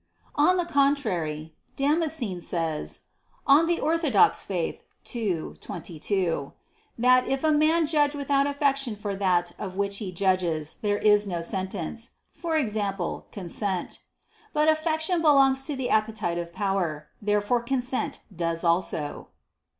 On the contrary, Damascene says (De Fide Orth. ii, 22) that "if a man judge without affection for that of which he judges, there is no sentence," i.e. consent. But affection belongs to the appetitive power. Therefore consent does also.